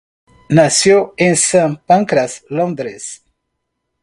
Nació en St Pancras, Londres.